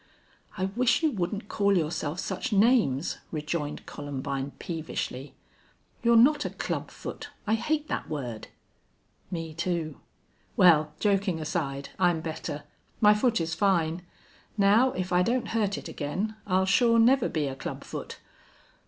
"I wish you wouldn't call yourself such names," rejoined Columbine, peevishly. "You're not a club foot. I hate that word!" "Me, too. Well, joking aside, I'm better. My foot is fine. Now, if I don't hurt it again I'll sure never be a club foot."